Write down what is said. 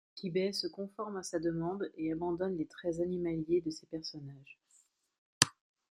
Tibet se conforme à sa demande, et abandonne les traits animaliers de ses personnages.